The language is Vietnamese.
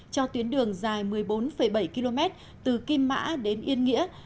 cho tuyến đường dài một mươi bốn bảy km từ kim mã đến yên nghĩa